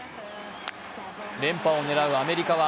連覇を狙うアメリカは、